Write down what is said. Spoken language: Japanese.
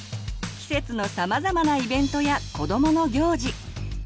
季節のさまざまなイベントや子どもの行事。